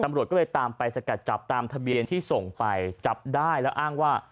ตำรวจก็เลยตามไปสกัดจับตามทะเบียนที่ส่งไปจับได้แล้วอ้างว่า